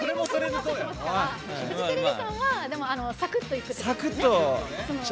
フジテレビさんはサクッといくということですね。